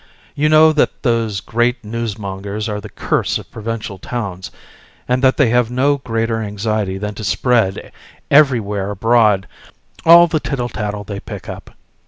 You know that those great newsmongers are the curse of provincial towns, and that they have no greater anxiety than to spread, everywhere abroad all the tittle tattle they pick up.